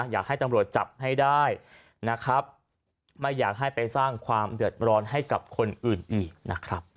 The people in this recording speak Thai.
อยากให้ตำรวจจับให้ได้นะครับไม่อยากให้ไปสร้างความเดือดร้อนให้กับคนอื่นอีกนะครับ